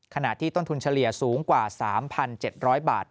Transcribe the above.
ขณะที่ต้นทุนเฉลี่ยสูง๓๗๐๐บาทต่อไร่นะครับ